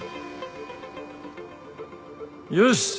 よし。